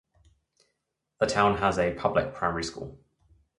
The town has a public primary school.